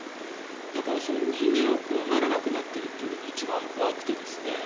だから、人間を怖がらなくなっているというのが一番怖くてですね。